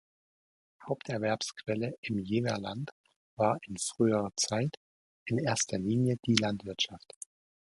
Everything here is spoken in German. Haupterwerbsquelle im Jeverland war in früherer Zeit in erster Linie die Landwirtschaft.